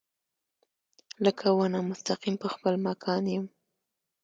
لکه ونه مستقیم پۀ خپل مکان يم